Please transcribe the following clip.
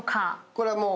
これはもう。